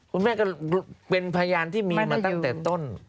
คุณแม่ก็เป็นพยานที่มีมาตั้งแต่ต้น